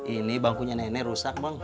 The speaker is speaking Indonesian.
ini bangkunya nenek rusak bang